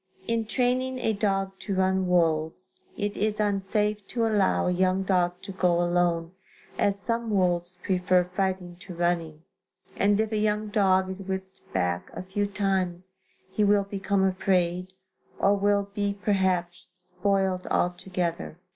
In training a dog to run wolves, it is unsafe to allow a young dog to go alone, as some wolves prefer fighting to running, and if a young dog is whipped back a few times, he will become afraid, or will be perhaps, spoiled altogether.